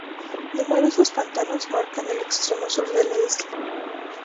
Numerosos pantanos marcan el extremo sur de la isla.